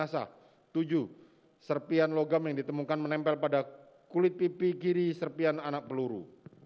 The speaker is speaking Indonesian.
serpian logam yang ditemukan menempel pada kulit pipi kiri serpian anak peluru